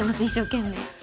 一生懸命。